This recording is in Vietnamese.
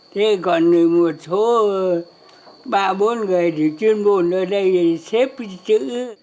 thế còn một số ba bốn người thì chuyên môn ở đây xếp chữ